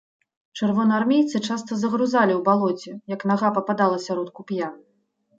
Чырвонаармейцы часта загрузалі ў балоце, як нага пападала сярод куп'я.